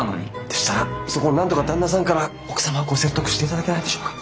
でしたらそこをなんとか旦那さんから奥様をご説得していただけないでしょうか？